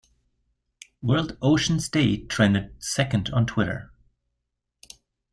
World Oceans Day trended second on Twitter.